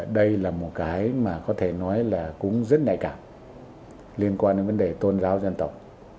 đây là một cái mà có thể nói là cũng rất nhạy cảm liên quan đến vấn đề tôn giáo dân tộc